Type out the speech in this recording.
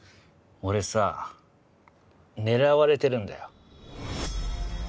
俺さ狙われてるんだよ。